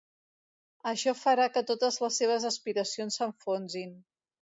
Això farà que totes les seves aspiracions s'enfonsin.